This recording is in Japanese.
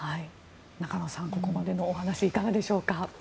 中野さん、ここまでのお話いかがでしょうか。